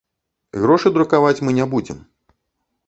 Грошы друкаваць мы не будзем.